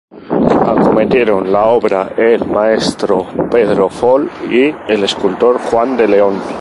Acometieron la obra el maestro Pedro Fol y el escultor Juan de León.